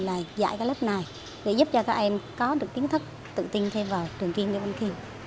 và từ đó cô bắt đầu nảy ra một ý định là dạy các lớp này để giúp cho các em có được kiến thức tự tin thêm vào trường chiên nguyễn bình khiêm